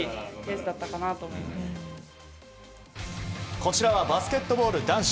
こちらはバスケットボール男子。